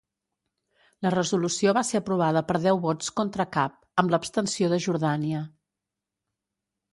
La resolució va ser aprovada per deu vots contra cap, amb l'abstenció de Jordània.